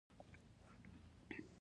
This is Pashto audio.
د احساس پلونه مې زرغون ټټر سبا غواړي